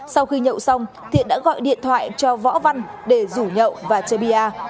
sau khi nhậu xong thiện đã gọi điện thoại cho võ văn để rủ nhậu và chê bia